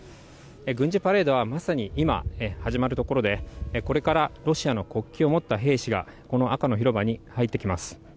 軍事パレードは、まさに今、始まるところで、これからロシアの国旗を持った兵士が、この赤の広場に入ってきます。